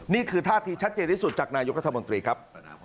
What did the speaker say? นี่คือท่าทีชัดเจนที่สุดจากนายกรัฐมนตรีครับ